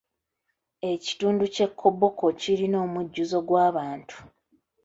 Ekitundu ky'e Koboko kirina omujjuzo gw'abantu.